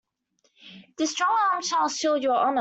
This strong arm shall shield your honor.